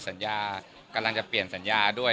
สัญญากำลังจะเปลี่ยนสัญญาด้วย